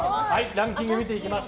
ランキングいきます。